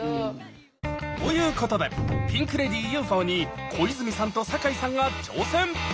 ということでピンク・レディー「ＵＦＯ」に小泉さんと坂井さんが挑戦！